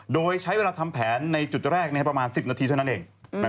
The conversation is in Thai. โดยใช้เวลาทำแผนในจุดแรกประมาณ๑๐นาทีเท่านั้นเอง